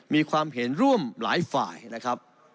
มีความเห็นร่วมหลายฝ่ายนะครับ